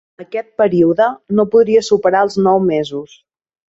Aquest període no podria superar els nou mesos.